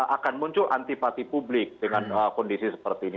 akan muncul antipati publik dengan kondisi seperti ini